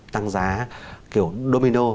tăng giá kiểu domino